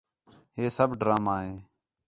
ہِے سب ڈرامہ ہِے